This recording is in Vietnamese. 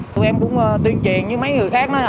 tụi em cũng tuyên truyền như mấy người khác